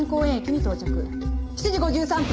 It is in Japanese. ７時５３分